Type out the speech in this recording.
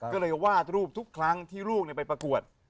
ก็เลยวาดรูปทุกครั้งที่ลูกไปประกวด